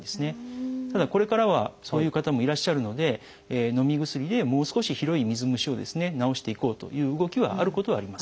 ただこれからはそういう方もいらっしゃるのでのみ薬でもう少し広い水虫をですね治していこうという動きはあることはあります。